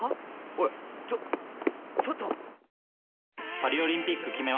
おいちょっちょっと。